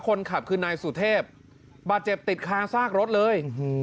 คนขับคือนายสุเทพบาดเจ็บติดคาซากรถเลย